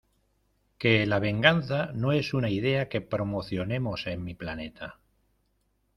Que la venganza no es una idea que promocionemos en mi planeta.